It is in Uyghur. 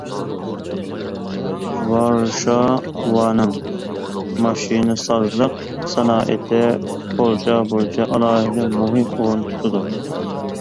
ۋارشاۋانىڭ ماشىنىسازلىق سانائىتى پولشا بويىچە ئالاھىدە مۇھىم ئورۇن تۇتىدۇ.